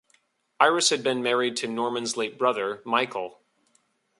Iris had been married to Norman's late brother, Michael.